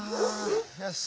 よし！